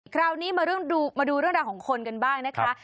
คราวนี้มาดูเรื่องราวของคนกันบ้างนะคะ